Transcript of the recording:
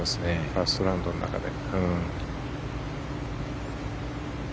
ファーストラウンドの中で。